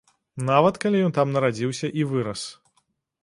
Нават, калі ён там нарадзіўся і вырас.